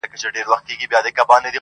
په دې وطن كي نستــه بېـــله بنگه ككــرۍ.